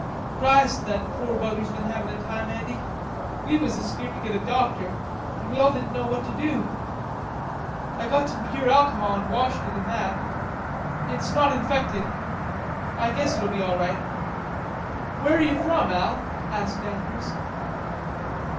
"Christ, that poor beggar's been havin' a time, Andy. We was 'askeert to get a doctor, and we all didn't know what to do." "I got some pure alcohol an' washed it in that. It's not infected. I guess it'll be all right." "Where are you from, Al?" asked Andrews.